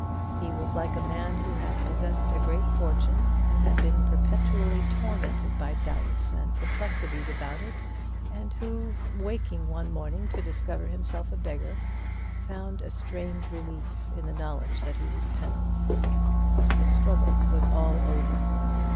He was like a man who had possessed a great fortune, and had been perpetually tormented by doubts and perplexities about it, and who, waking one morning to discover himself a beggar, found a strange relief in the knowledge that he was penniless. The struggle was all over.